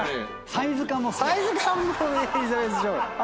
サイズ感もエリザベス女王。